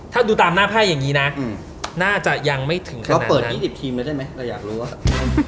ถ้าดูตามหน้าไพ่อย่างงี้นะอืมน่าจะยังไม่ถึงขนาดนั้นแล้วเปิดยี่สิบทีมแล้วได้ไหมเราอยากรู้ว่า